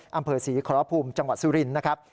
อำเภอศรีขอรภูมิจังหวัดสุรินทร์นะครับ